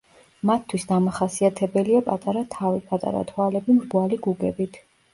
მათთვის დამახასიათებელია პატარა თავი, პატარა თვალები მრგვალი გუგებით.